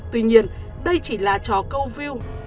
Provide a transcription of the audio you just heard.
tuy nhiên đây chỉ là cho câu view